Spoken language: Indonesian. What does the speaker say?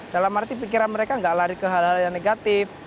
dalam arti pikiran mereka nggak lari ke hal hal yang negatif